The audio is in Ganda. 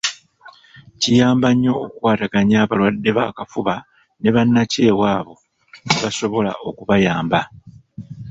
Kiyamba nnyo okukwataganya abalwadde b’akafuba ne bannakyewa abo ne basobola okubayamba.